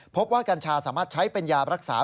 กัญชาสามารถใช้เป็นยารักษา